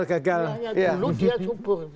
maka hanya dulu dia subur